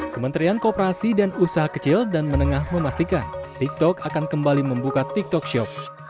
kementerian kooperasi dan usaha kecil dan menengah memastikan tiktok akan kembali membuka tiktok shop